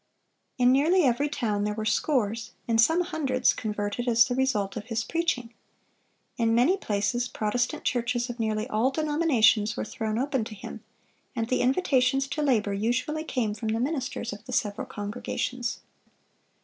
In nearly every town there were scores, in some, hundreds, converted as the result of his preaching. In many places Protestant churches of nearly all denominations were thrown open to him; and the invitations to labor usually came from the ministers of the several congregations.